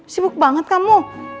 sibuk banget kamu